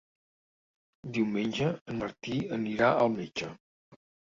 Diumenge en Martí anirà al metge.